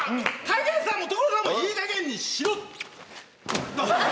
たけしさんも所さんもいいかげんにしろ！